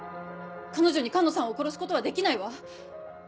彼女に寒野さんを殺すことはできないわ。